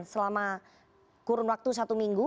selama kurun waktu satu minggu